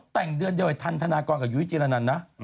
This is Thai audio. แต่งเดือนเดียวทันทนากรกับยุธิเจียรนันท์นะ